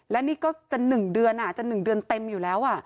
และนี่ก็จะหนึ่งเดือนอ่ะจะหนึ่งเดือนเต็มอยู่แล้วอ่ะ